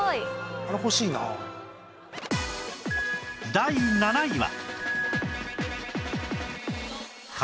第７位は